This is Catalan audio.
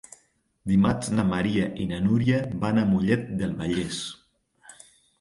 Dimarts na Maria i na Núria van a Mollet del Vallès.